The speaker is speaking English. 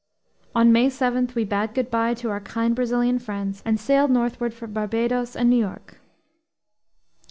On May 7 we bade good by to our kind Brazilian friends and sailed northward for Barbados and New York.